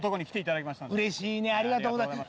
嬉しいねありがとうございます。